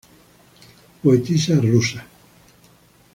Poetisa rusa.